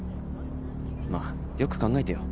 まあよく考えてよ。